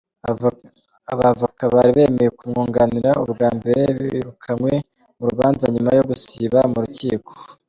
Abavoka bari bemeye kumwunganira ubwa mbere, birukanywe mu rubanza nyuma yo gusiba mu rukiko.